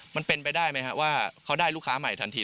มันเป็นไปได้ไหมครับว่าเขาได้ลูกค้าใหม่ทันที